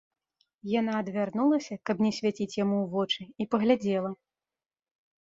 Яна адвярнулася, каб не свяціць яму ў вочы, і паглядзела.